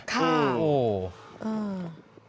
ค่ะโอ้โหอืม